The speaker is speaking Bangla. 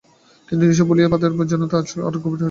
কিন্তু নিষেধ আছে বলিয়া পথের বিজনতা আজ আরও গভীর বোধ হইতেছে।